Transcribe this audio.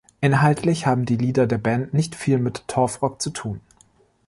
Inhaltlich haben die Lieder der Band nicht viel mit Torfrock zu tun.